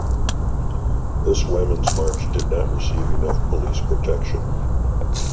This Women’s March did not receive enough police protection.